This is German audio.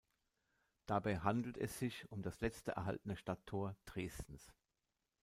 Dabei handelt es sich um das letzte erhaltene Stadttor Dresdens.